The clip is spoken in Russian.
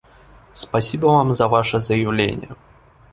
Спасибо Вам за Ваше заявление.